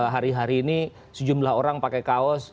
hari hari ini sejumlah orang pakai kaos